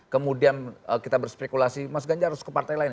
kemudian kita berspekulasi mas ganjar harus ke partai lain